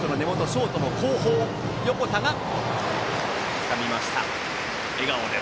ショートの横田がつかみました。